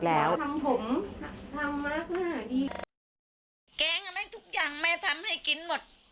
แก๊งอะไรทุกอย่างแม่ทำให้กินหมด